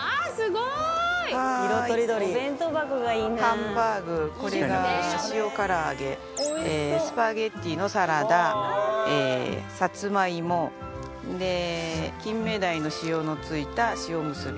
ハンバーグこれが塩唐揚げスパゲティのサラダ、さつまいも金目鯛の塩のついた、塩むすび。